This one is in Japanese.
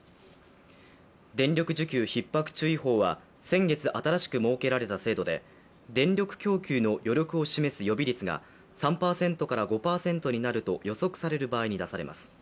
電力需給ひっ迫注意報は先月、新しく設けられた制度で電力供給の余力を示す予備率が３％から５％になると予測される場合に出されます。